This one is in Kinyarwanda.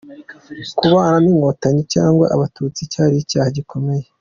Kubana n’inkotanyi cyangwa Abatutsi cyari icyaha gikomeye.